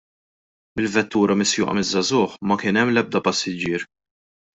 Fil-vettura misjuqa miż-żagħżugħ ma kien hemm l-ebda passiġġier.